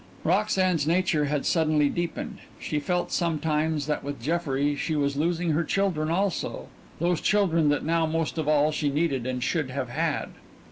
Roxanne's nature had suddenly deepened. She felt sometimes that with Jeffrey she was losing her children also, those children that now most of all she needed and should have had.